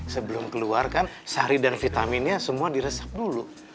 sebelum keluar kan sari dan vitaminnya semua diresap dulu